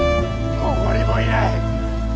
ここにもいない！